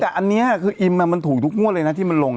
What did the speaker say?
ใช่อันนี้มันถูกทุกนิ่มที่มันลง